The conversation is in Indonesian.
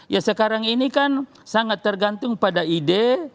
ya sekarang ini kan sangat tergantung pada ide